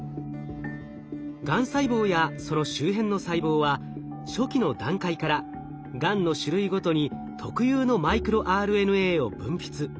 がん細胞やその周辺の細胞は初期の段階からがんの種類ごとに特有のマイクロＲＮＡを分泌。